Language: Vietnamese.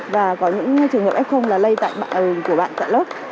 và có những trường hợp f là lây tại bạn của bạn tại lớp